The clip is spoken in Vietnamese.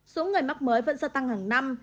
số người mắc mới vẫn gia tăng hàng năm